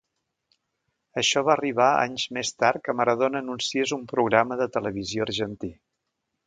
Això va arribar anys més tard que Maradona anunciés un programa de televisió argentí.